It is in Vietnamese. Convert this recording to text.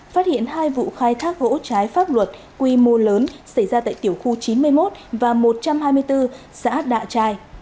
phát hiện hai vụ khai thác gỗ trái pháp luật quy mô lớn xảy ra tại tiểu khu chín mươi một và một trăm hai mươi bốn xã đạ trai